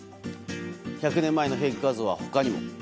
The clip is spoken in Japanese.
１００年前のフェイク画像は他にも。